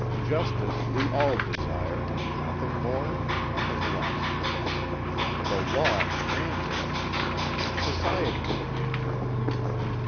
Justice we all desire, nothing more and nothing less. The law demands it of you; society demands it of you.